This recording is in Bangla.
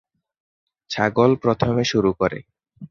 ছাগল প্রথমে শুরু করে।